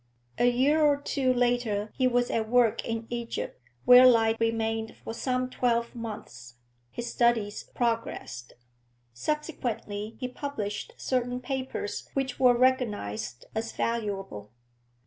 A year or two later he was at work in Egypt, where lie remained for some twelve months; his studies progressed. Subsequently he published certain papers which were recognised as valuable.